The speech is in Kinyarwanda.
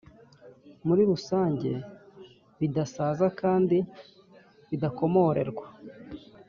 muri rusange bidasaza kandi bidakomorerwa.